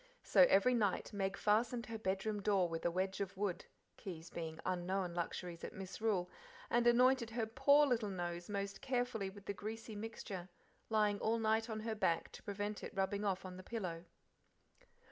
So every night Meg fastened her bedroom door with a wedge of wood, keys being unknown luxuries at Misrule, and anointed her, poor little nose most carefully with the greasy mixture, lying all night on her back to prevent it rubbing off on the pillow.